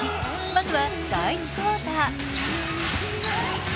まずは第１クオーター。